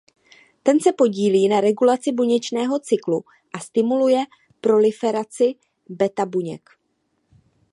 Ten se podílí na regulaci buněčného cyklu a stimuluje proliferaci beta buněk.